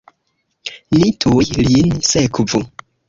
Ni tuj lin sekvu!